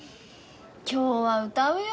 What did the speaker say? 今日は歌うよ。